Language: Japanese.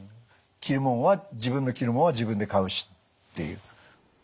着るもんは自分の着るもんは自分で買うしっていう。